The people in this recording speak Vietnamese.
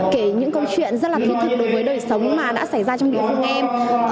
kể những câu chuyện rất là thiết thực đối với đời sống mà đã xảy ra trong địa phương em